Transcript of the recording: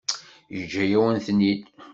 Yeǧǧa-yawen-ten-id.